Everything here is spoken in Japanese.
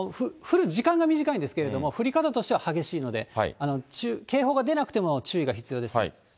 降る時間が短いんですけど、降り方としては激しいので、警報が出なくても注意が必要です。